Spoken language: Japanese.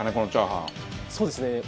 そうですね。